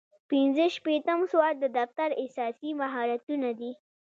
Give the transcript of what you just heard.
پنځه شپیتم سوال د دفتر اساسي مهارتونه دي.